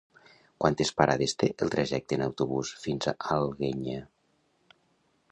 Quantes parades té el trajecte en autobús fins a l'Alguenya?